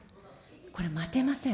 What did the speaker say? これ待てません。